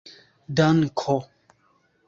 danko